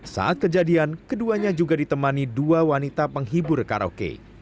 saat kejadian keduanya juga ditemani dua wanita penghibur karaoke